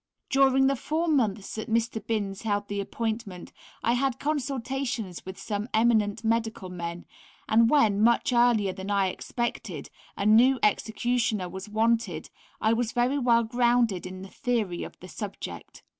During the four months that Mr. Binns held the appointment I had consultations with some eminent medical men, and when, much earlier than I expected, a new executioner was wanted, I was very well grounded in the theory of the subject.